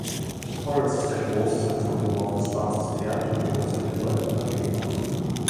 Horace ist ein großes anthropomorphes schwarzes Pferd und gehört zu den Freunden von Mickey Mouse.